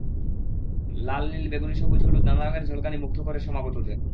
লাল, নীল, বেগুনি, সবুজ, হলুদ নানা রঙের ঝলকানি মুগ্ধ করে সমাগতদের।